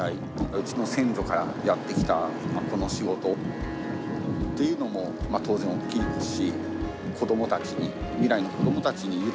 うちの先祖からやってきたこの仕事というのも当然大きいですし。